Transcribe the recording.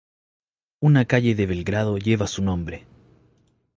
Una calle de Belgrado lleva su nombre.